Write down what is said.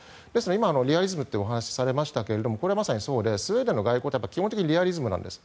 今、リアリズムというお話をされましたがこれはまさにそうでスウェーデンの外交って基本的にリアリズムなんです。